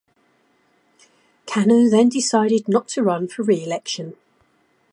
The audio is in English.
Kanno then decided not to run for reelection.